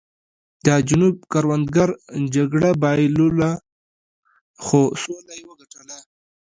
د جنوب کروندګرو جګړه بایلوله خو سوله یې وګټله.